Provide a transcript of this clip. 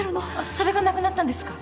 それがなくなったんですか？